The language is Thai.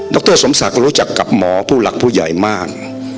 รสมศักดิ์รู้จักกับหมอผู้หลักผู้ใหญ่มาก